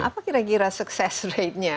apa kira kira sukses ratenya